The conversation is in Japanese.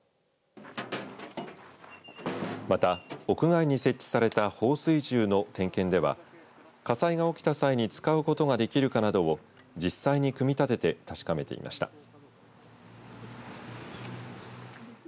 また、屋外に設置された放水銃の点検では火災が起きた際に使うことができるかなどを実際に組み立てて確かめていました。